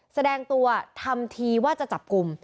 แสดงตัวทำทีว่าจะจับกลุ่ม